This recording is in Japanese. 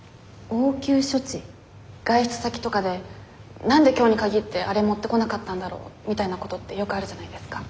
外出先とかで「何で今日に限ってあれ持ってこなかったんだろう」みたいなことってよくあるじゃないですか。